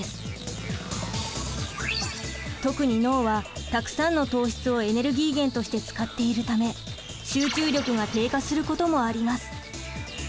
特に脳はたくさんの糖質をエネルギー源として使っているため集中力が低下することもあります。